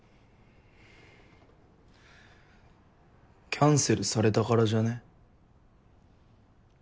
キャンセルされたからじゃねぇ？